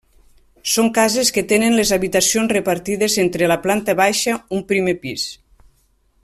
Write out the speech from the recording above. Són cases que tenen les habitacions repartides entre la planta baixa un primer pis.